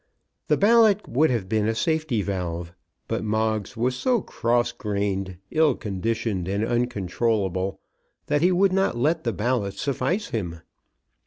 The ballot would have been a safety valve. But Moggs was so cross grained, ill conditioned, and uncontrollable that he would not let the ballot suffice him.